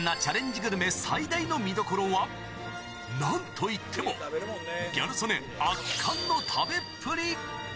グルメ最大の見どころは、なんといっても、ギャル曽根圧巻の食べっぷり。